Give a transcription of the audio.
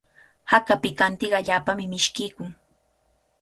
Haka pikantiqa allaapami mishkiykun.